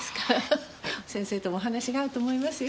先生ともお話が合うと思いますよ。